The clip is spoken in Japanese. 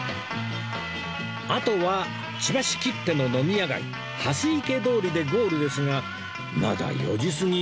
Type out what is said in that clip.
あとは千葉市きっての飲み屋街蓮池通りでゴールですがまだ４時過ぎ